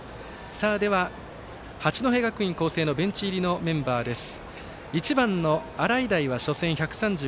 では、八戸学院光星のベンチ入りのメンバーです。